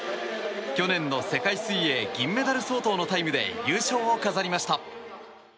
去年の世界水泳銀メダル相当のタイムで優勝を飾りました。